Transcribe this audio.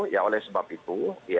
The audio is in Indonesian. ya oleh sebab itu